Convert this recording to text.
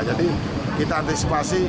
jadi kita antisipasi